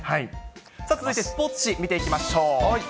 さあ、続いてスポーツ紙見ていきましょう。